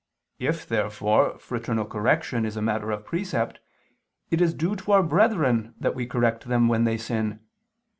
If, therefore, fraternal correction is a matter of precept, it is due to our brethren that we correct them when they sin.